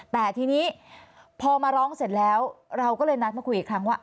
แต่ทีนี้พอมาร้องเสร็จแล้วเราก็เลยนัดมาคุยอีกครั้งว่า